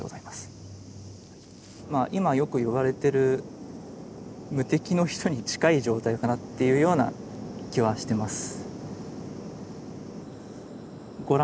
今よくいわれてる無敵の人に近い状態かなというような気はしてます。